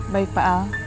baik pak al